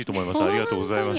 ありがとうございます。